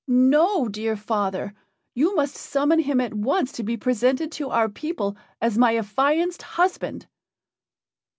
No, dear father! you must summon him at once to be presented to our people as my affianced husband."